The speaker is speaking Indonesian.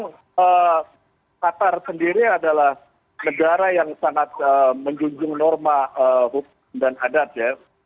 karena qatar sendiri adalah negara yang sangat menjunjung norma dan adat ya